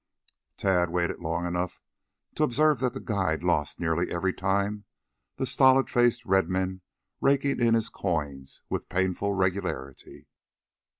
Tad waited long enough to observe that the guide lost nearly every time, the stolid faced red men raking in his coins with painful regularity.